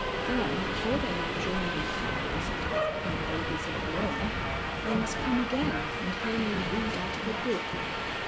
Then before they may join in couples and have pink babies of their own, they must come again and hear me read out of a book.